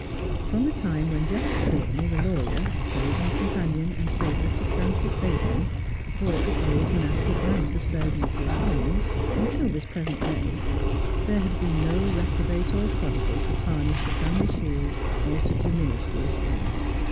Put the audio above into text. From the time when Jasper Courtenay, the lawyer, chosen companion and favourite of Francis Bacon, bought the old monastic lands of Fairview for a song, till this present day, there had been no reprobate or prodigal to tarnish the family shield or to diminish the estate.